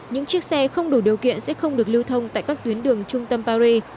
những chiếc xe không đủ điều kiện sẽ không được lưu thông tại các tuyến đường trung tâm paris